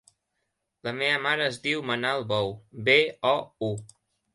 La meva mare es diu Manal Bou: be, o, u.